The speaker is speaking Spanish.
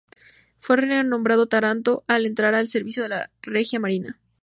Fue renombrado "Taranto" al entrar en servicio en la Regia Marina.